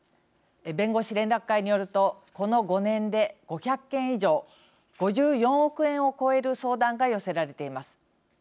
弁護士連絡会によるとこの５年で５００件以上５４億円を超える相談が寄せられています。